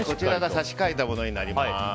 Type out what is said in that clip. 差し替えたものになります。